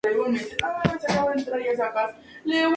Victoria fue escogida porque parecía la más prometedora.